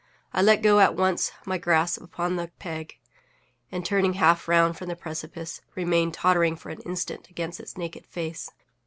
I let go at once my grasp upon the peg, and, turning half round from the precipice, remained tottering for an instant against its naked face.